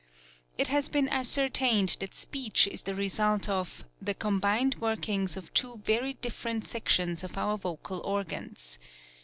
It has been ascertained that speech is the re sult of " the combined workings of two very different actions of our vo:al organs."